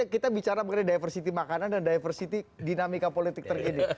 kita bicara mengenai diversity makanan dan diversity dinamika politik terkini